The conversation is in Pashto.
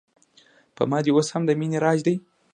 په ما دې اوس هم د مینې راج دی